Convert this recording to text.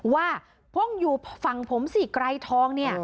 ว่าพ่งอยู่ฝั่งผมสิไกรทองเนี่ย